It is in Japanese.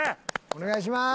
お願いします。